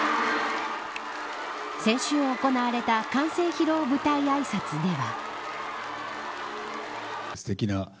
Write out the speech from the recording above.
先週行われた完成披露舞台あいさつでは。